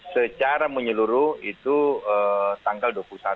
secara menyeluruh itu tanggal dua puluh satu